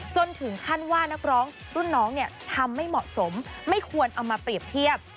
จนถึงขั้นว่านักร้องรุ่นน้องเนี่ยทำไม่เหมาะสมไม่ควรเอามาเปรียบเทียบ